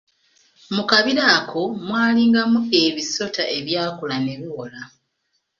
Mu kabira ako mwalingamu ebisota ebyakula ne biwola.